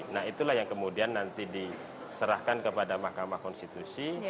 nah itulah yang kemudian nanti diserahkan kepada mahkamah konstitusi